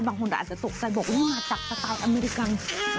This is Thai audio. บางคนอาจจะตกใจบอกว่ามาจากสไตล์อเมริกัน